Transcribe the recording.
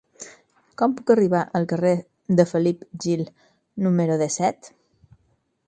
Com puc arribar al carrer de Felip Gil número disset?